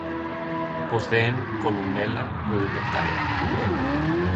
Poseen "columela" rudimentaria.